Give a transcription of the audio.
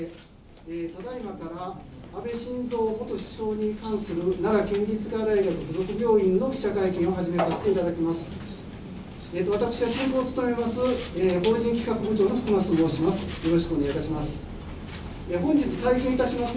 ただいまから、安倍晋三元首相に関する奈良県立医科大学附属病院の記者会見を始めさせていただきます。